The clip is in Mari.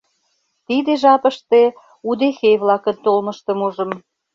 Тиде жапыште удэхей-влакын толмыштым ужым.